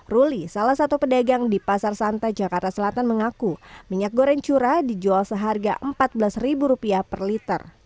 ruli salah satu pedagang di pasar santa jakarta selatan mengaku minyak goreng curah dijual seharga rp empat belas per liter